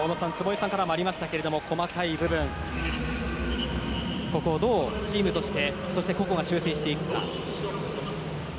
坪井さんからもありましたけど細かい部分をどうチームとしてそして個々が修正していくか。